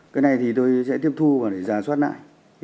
cái này thì tôi sẽ tiếp thu và để giả soát lại